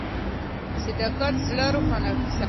صداقت زړه روښانه ساتي.